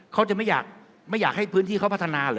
เขาจะไม่อยากให้พื้นที่เขาพัฒนาเหรอ